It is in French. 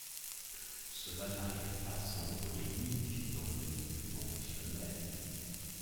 Cela n'arrive pas sans polémiques dans le milieu professionnel.